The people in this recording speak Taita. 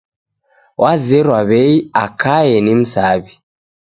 Wazerwa w'ei akae ni msaw'i.